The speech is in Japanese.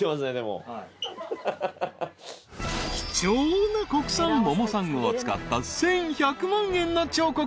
［貴重な国産モモサンゴを使った１，１００万円の彫刻。